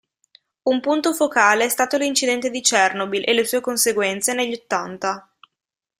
Un punto focale è stato l'incidente di Chernobyl, e le sue conseguenze, negli ottanta.